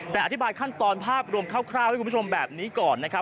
แต่อธิบายขั้นตอนภาพรวมคร่าวให้คุณผู้ชมแบบนี้ก่อนนะครับ